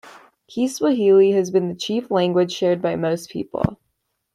Kiswahili has been the chief language shared by most people.